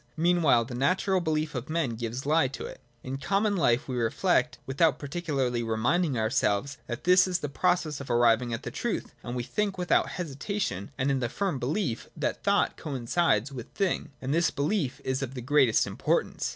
Meanwhile the natural belief of men gives the lie to it. In common life we reflect, without particularly reminding our selves that this is the process of arriving at the truth, and we think without hesitation, and in the firm belief that thought coincides with thing. And this belief is of the greatest importance.